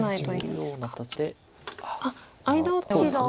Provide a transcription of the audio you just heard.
そうですね。